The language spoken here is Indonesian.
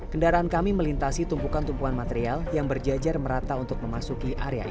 kendaraan kami melintasi tumpukan tumpuan material yang berjajar merata untuk memasuki area